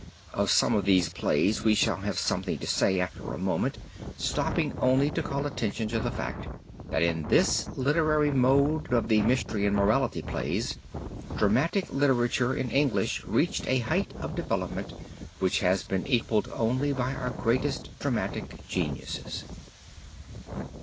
Of some of these plays we shall have something to say after a moment, stopping only to call attention to the fact that in this literary mode of the mystery and morality plays, dramatic literature in English reached a height of development which has been equaled only by our greatest dramatic geniuses.